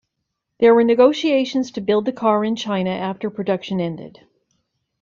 There were negotiations to build the car in China after production ended.